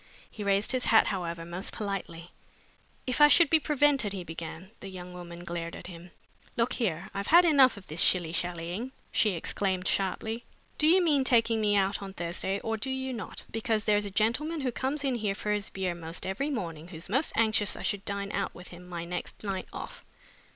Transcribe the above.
He raised his hat, however, most politely. "If I should be prevented," he began, The young woman glared at him. "Look here, I've had enough of this shilly shallying!" she exclaimed sharply. "Do you mean taking me out on Thursday or do you not? because there's a gentleman who comes in here for his beer most every morning who's most anxious I should dine out with him my next night off.